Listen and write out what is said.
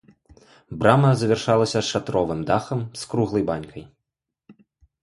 Брама завяршалася шатровым дахам з круглай банькай.